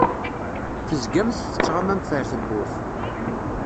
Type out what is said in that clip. Tezgamt tettɣamamt ar tewwurt.